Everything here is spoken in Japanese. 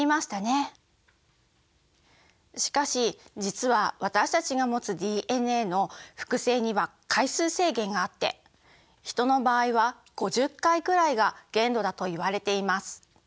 しかし実は私たちが持つＤＮＡの複製には回数制限があってヒトの場合は５０回くらいが限度だといわれています。